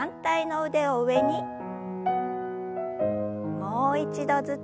もう一度ずつ。